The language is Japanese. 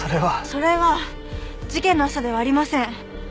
それは事件の朝ではありません。